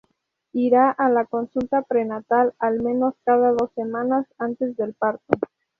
Irá a la consulta prenatal al menos cada dos semanas antes del parto.